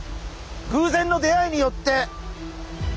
偶然の出会いによって。